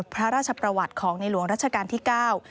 พระราชประวัติของในหลวงรัชกาลที่เก้า